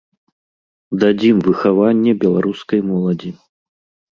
Дадзім выхаванне беларускай моладзі.